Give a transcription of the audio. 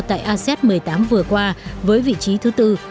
tại asean một mươi tám vừa qua với vị trí thứ tư